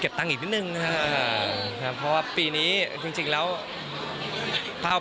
ตังค์อีกนิดนึงนะครับเพราะว่าปีนี้จริงแล้วภาพ